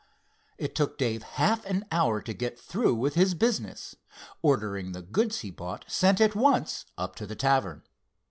It took Dave half an hour to get through with his business, ordering the goods he bought sent at once up to the tavern.